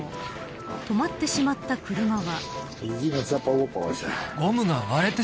止まってしまってた車は。